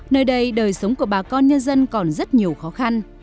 nơi đây đời sống của bà con nhân dân còn rất nhiều khó khăn